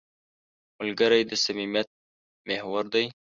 ملګری د صمیمیت محور دی